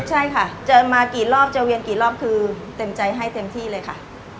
ใช่ค่ะเจอมากี่รอบจะเวียนกี่รอบคือเต็มใจให้เต็มที่เลยค่ะ